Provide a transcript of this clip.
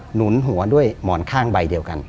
หนุนหัวด้วยหมอนข้างใบเดียวกัน